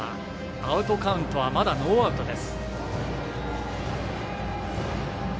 アウトカウントはまだノーアウトです。